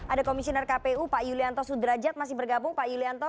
ada komisioner kpu pak yulianto sudrajat masih bergabung pak yulianto